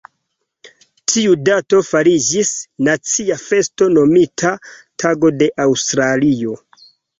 Tiu dato fariĝis nacia festo nomita Tago de Aŭstralio.